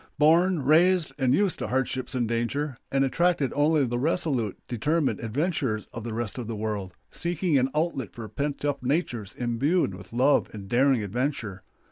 born, raised, and used to hardships and danger; and attracted only the resolute, determined adventurers of the rest of the world, seeking an outlet for pent up natures imbued with love of daring adventure.